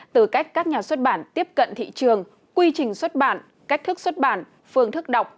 từ cách các nhà xuất bản tiếp cận thị trường quy trình xuất bản cách thức xuất bản phương thức đọc